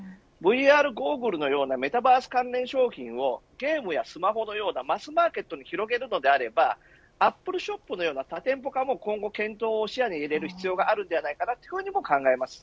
ＶＲゴーグルのようなメタバース関連商品をゲームやスマホのようなマスマーケットに広げるのであればアップルショップのような多店舗化も今後、検討を視野に入れる必要があると考えます。